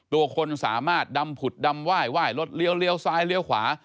ตัวคนสามารถดำผุดดำว่ายว่ายรถเหลียวซ้ายเหลียวขวา